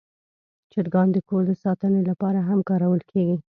چرګان د کور د ساتنې لپاره هم کارول کېږي.